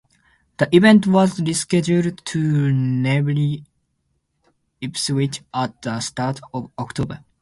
The event was rescheduled to nearby Ipswich at the start of October.